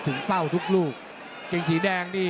ตามต่อยกที่๓ครับ